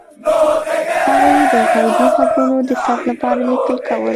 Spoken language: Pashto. هغوی د غیبي غږونو د ثبت لپاره لیکل کول.